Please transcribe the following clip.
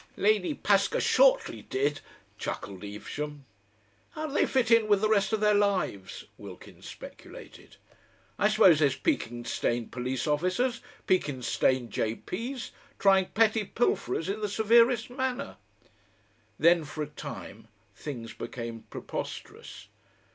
"Lady Paskershortly did!" chuckled Evesham. "How do they fit it in with the rest of their lives?" Wilkins speculated. "I suppose there's Pekin stained police officers, Pekin stained J. P.'s trying petty pilferers in the severest manner."... Then for a time things became preposterous.